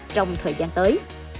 trong thời gian tới